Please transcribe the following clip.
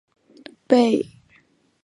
贝布尔河畔雅利尼人口变化图示